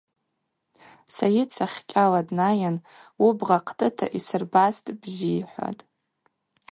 Сайыт сахькӏьала днайын: – Уыбгъа хътӏыта йсырбастӏ, бзи, – йхӏватӏ.